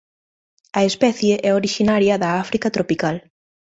A especie é orixinaria da África tropical.